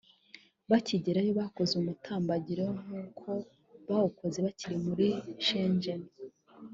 Bakigerayo bakoze umutambagiro nk’uko bawukoze bakiri muri Shenzen